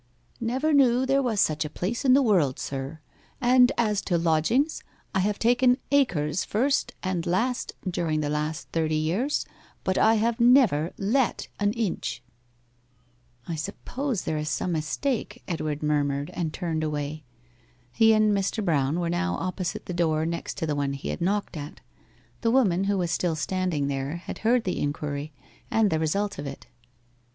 'Never knew there was such a place in the world, sir; and as to lodgings, I have taken acres first and last during the last thirty years, but I have never let an inch.' 'I suppose there is some mistake,' Edward murmured, and turned away. He and Mr. Brown were now opposite the door next to the one he had knocked at. The woman who was still standing there had heard the inquiry and the result of it.